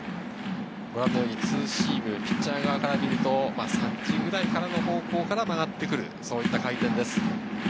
ツーシーム、ピッチャー側から見ると３時ぐらいからの方向から曲がってくる回転です。